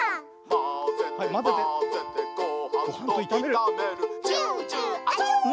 まぜてまぜてごはんといためるジュジュアチョー！